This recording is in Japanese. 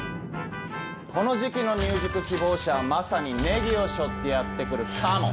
この時期の入塾希望者はまさにネギを背負ってやって来るカモ。